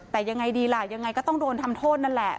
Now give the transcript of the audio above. แต่ยังไงดีล่ะยังไงก็ต้องโดนทำโทษนั่นแหละ